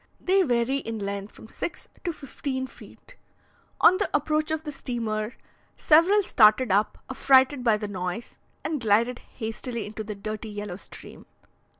They vary in length from six to fifteen feet. On the approach of the steamer, several started up, affrighted by the noise, and glided hastily into the dirty yellow stream.